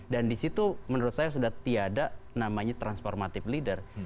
dan disitu menurut saya sudah tiada namanya transformative leader